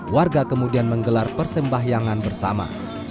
warga kemudian menggelar persembahyangan bersama